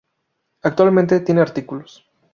Actualmente tiene artículos.